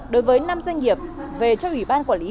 đối với năm doanh nghiệp về cho ủy ban quản lý